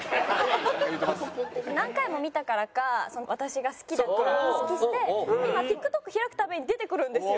何回も見たからか私が好きだって認識して今ＴｉｋＴｏｋ開く度に出てくるんですよ。